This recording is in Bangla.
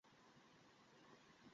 তুমি সম্মতি দিয়েছো, কথা দিয়েছো।